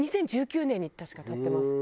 ２０１９年に確か建ってます。